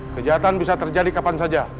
kejahatan bisa terjadi kapan saja